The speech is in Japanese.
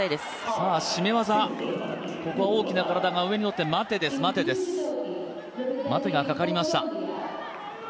絞め技、ここは大きな体が上に乗って、待てがかかりました。